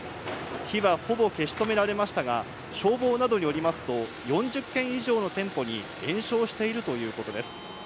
火はほぼ消し止められましたが、消防などによりますと４０棟以上の店舗に延焼しているということです。